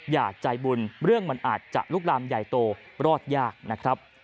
อย่าใจบุญเรื่องเรื่องมันอาจจะรูปรามใหญ่โตรอดยากนะครับ